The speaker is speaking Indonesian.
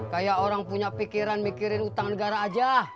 kayak orang punya pikiran mikirin utang negara aja